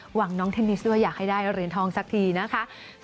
หวังน้องเทนนิสด้วยอยากให้ได้เหรียญทองสักทีนะคะ